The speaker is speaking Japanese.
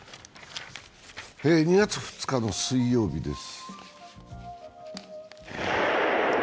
２月２日の水曜日です。